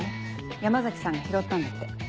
山崎さんが拾ったんだって。